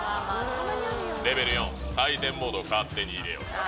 レベル４、採点モードを勝手に入れる。